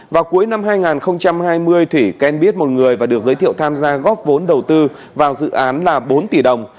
vào cuối năm hai nghìn hai mươi thủy quen biết một người và được giới thiệu tham gia góp vốn đầu tư vào dự án là bốn tỷ đồng